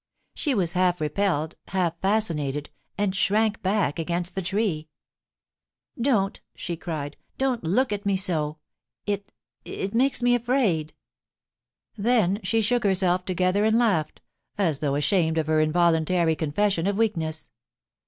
She was half repelled, half fascinated, and shrank back against the tree. * Don't,' she cried, * don't look at me so. ... It — it makes me afraid' Then she shook herself together and laughed, as though ashamed of her involuntary confession of weak ness.